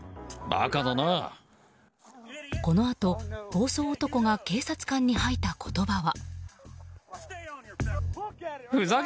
このあと暴走男が警察官に吐いた言葉は。